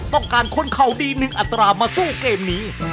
ต้องการคนเขาดี๑อัตรามาสู้เกมนี้